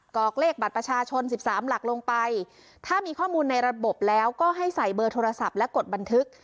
อกเลขบัตรประชาชน๑๓หลักลงไปถ้ามีข้อมูลในระบบแล้วก็ให้ใส่เบอร์โทรศัพท์และกดบันทึก